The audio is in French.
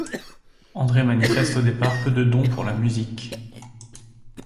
André manifeste au départ peu de dons pour la musique.